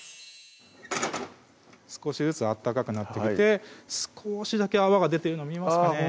少しずつ温かくなってきて少しだけ泡が出てるの見えますかね